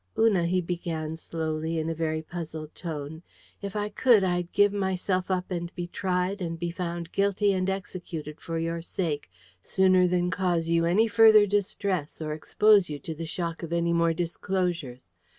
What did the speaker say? "Una," he began slowly, in a very puzzled tone, "if I could, I'd give myself up and be tried, and be found guilty and executed for your sake, sooner than cause you any further distress, or expose you to the shock of any more disclosures.